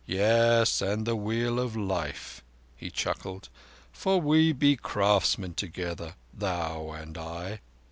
Yes—and of the Wheel of Life," he chuckled, "for we be craftsmen together, thou and I."